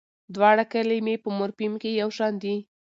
دواړه کلمې په مورفیم کې یوشان دي.